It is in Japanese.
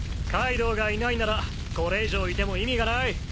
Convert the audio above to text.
カイドウがいないならこれ以上いても意味がない。